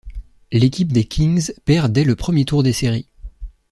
L'équipe des Kings perd dès le premier tour des séries.